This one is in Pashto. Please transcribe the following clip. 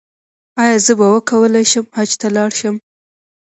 ایا زه به وکولی شم حج ته لاړ شم؟